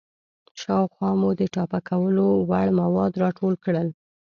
شاوخوا مو د ټاپه کولو وړ مواد راټول کړئ.